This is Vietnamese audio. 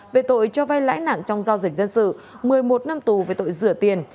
về tội cho vay lãi nặng trong giao dịch dân sự một mươi một năm tù về tội rửa tiền